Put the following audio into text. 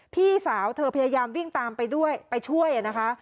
พี่สาวเธอพยายามวิ่งตามไปด้วยไปช่วยนะคะ